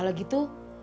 apa dengan itu